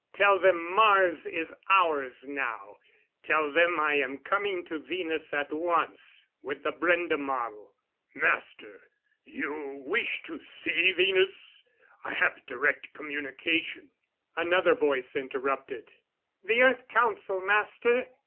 Tell them Mars is ours now! Tell them I am coming to Venus at once with the Brende model...." "Master, you wish to see Venus? I have direct communication " Another voice interrupted. "The Earth Council, Master!